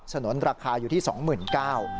นุนราคาอยู่ที่๒๙๐๐บาท